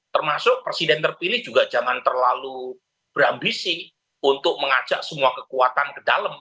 termasuk presiden terpilih juga jangan terlalu berambisi untuk mengajak semua kekuatan ke dalam